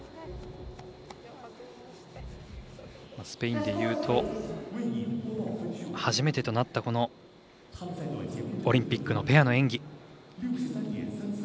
スペインでいうと初めてとなったオリンピックのペアの演技。